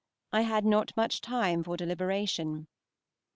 I had not much time for deliberation.